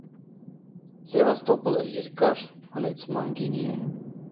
«Սևաստապոլը» երկար հնեցմամբ գինի է։